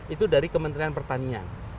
itu dari kementerian pertanian